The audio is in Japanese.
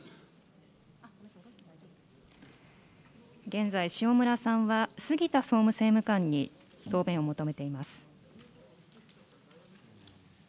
現在、塩村さんは杉田総務政務官に答弁を求めています。